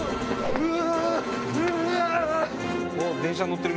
うわ！